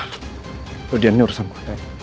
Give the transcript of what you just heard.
udah dia nurusanku